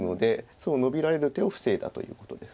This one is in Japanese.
そのノビられる手を防いだということです。